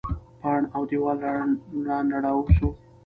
پاڼ او دیوال رانړاوه سو.